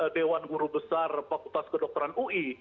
dewan guru besar fakultas kedokteran ui